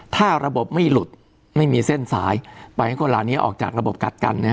ถ้าระบบไม่หลุดไม่มีเส้นสายปล่อยให้คนเหล่านี้ออกจากระบบกัดกันนะฮะ